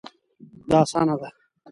دا اسانه ده